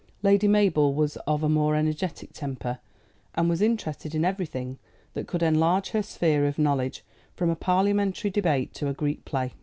Lady Mabel was of a more energetic temper, and was interested in everything that could enlarge her sphere of knowledge, from a parliamentary debate to a Greek play.